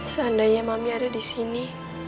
seandainya mami ada di sini